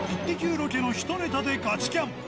ロケのひとネタでガチキャンプ。